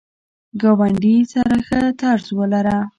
ګاونډي سره ښه طرز ولره